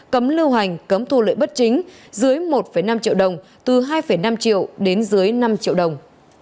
cấm lưu hành cấm thu lợi bất chính dưới một năm triệu đồng từ hai năm triệu đến dưới năm triệu đồng